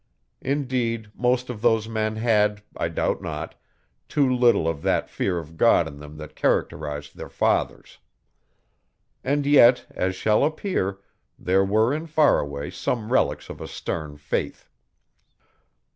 Indeed, most of those men had, I doubt not, too little of that fear of God in them that characterised their fathers. And yet, as shall appear, there were in Faraway some relics of a stern faith.